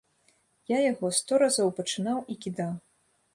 Я яго сто разоў пачынаў і кідаў.